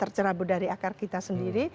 tercerah berdari akar kita sendiri